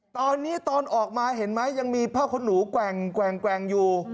ตอนนี้ตอนออกมาเห็นไหมยังมีผ้าขนหนูแกว่งอยู่